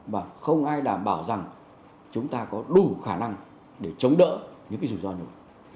và không ai đảm bảo rằng chúng ta có đủ khả năng để chống đỡ những cái dù do này